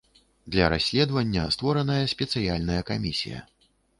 Для расследавання створаная спецыяльная камісія.